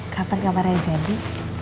kapan kapan reina jadi